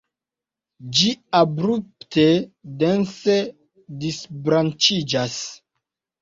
Ĝi abrupte dense disbranĉiĝas.